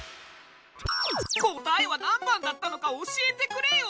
答えは何番だったのか教えてくれよ！